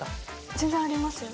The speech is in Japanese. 全然あります。